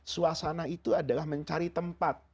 suasana itu adalah mencari tempat